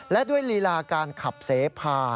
และด้วยลีลาการขับเสพา